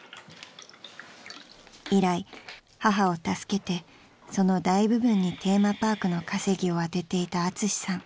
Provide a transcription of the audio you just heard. ［以来母を助けてその大部分にテーマパークの稼ぎを充てていたアツシさん］